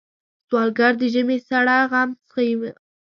سوالګر د ژمي سړه هم زغمي